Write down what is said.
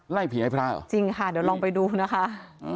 ไล่ผีให้พระเหรอจริงค่ะเดี๋ยวลองไปดูนะคะ